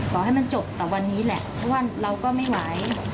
ขอให้มันจบแต่วันนี้แหละเพราะว่าเราก็ไม่ไหว